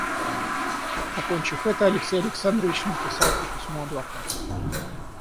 Окончив это, Алексей Александрович написал и письмо адвокату.